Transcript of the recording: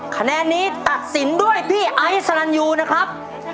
คะแนนนี้ตัดสินด้วยพี่ไอซ์สรรยูนะครับ